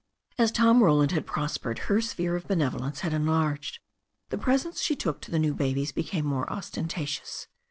As Tom Roland had prospered, her sphere of benevolence had enlarged. The presents she took to the new babies be came more ostentatious.